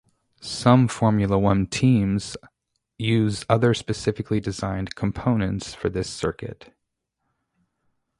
Some Formula One teams use other specifically designed components for this circuit.